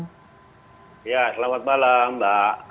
ya selamat malam mbak